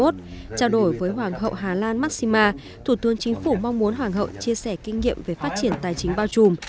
trao đổi với hoàng hậu hà lan maxima thủ tướng chính phủ mong muốn hoàng hậu chia sẻ kinh nghiệm về phát triển tài chính bao trùm